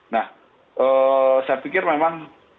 nah saya pikir memang